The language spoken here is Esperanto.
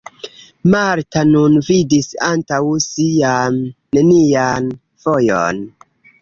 Marta nun vidis antaŭ si jam nenian vojon.